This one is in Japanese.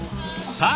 さあ